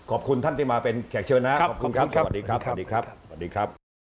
ขอบคุณท่านที่มาเป็นแขกเชิญนะครับขอบคุณครับสวัสดีครับ